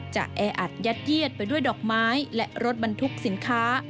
แออัดยัดเยียดไปด้วยดอกไม้และรถบรรทุกสินค้า